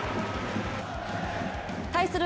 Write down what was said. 対する